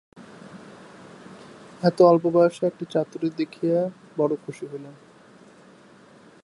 এত অল্প বয়সে এতটা চাতুরী দেখিয়া বড়ো খুশি হইলাম।